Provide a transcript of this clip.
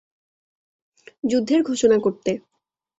যুদ্ধের ঘোষণা করতে।